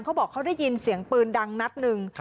เขาบอกเขาได้ยินเสียงปืนดังนัดหนึ่ง